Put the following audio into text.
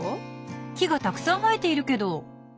木がたくさん生えているけど。